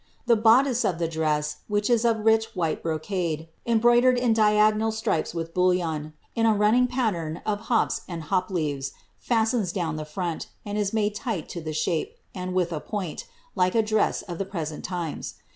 The bod dice of the dress, which is of rich while brocade, embroidered in diagonal stripes, with bullion, in a running pattern of hops and bop leaves, fasifns down the front, and is made light to the shape, and with a point, hke a dress of the present times.